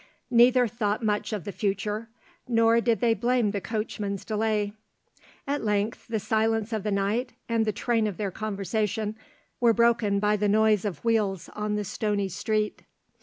Neither thought much of the future, nor did they blame the coachman's delay. At length the silence of the night, and the train of their conversation were broken by the noise of wheels on the stony street.